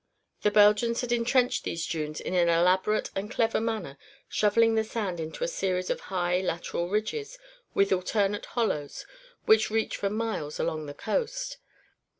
The Belgians had entrenched these dunes in an elaborate and clever manner, shoveling the sand into a series of high lateral ridges, with alternate hollows, which reached for miles along the coast.